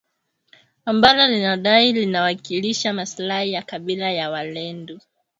ambalo linadai linawakilisha maslahi ya kabila la walendu